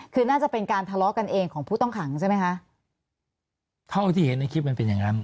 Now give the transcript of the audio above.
คือน่าจะเป็นการทะเลาะกันเองของผู้ต้องขังใช่ไหมคะเท่าที่เห็นในคลิปมันเป็นอย่างนั้น